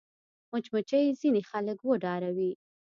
مچمچۍ ځینې خلک وډاروي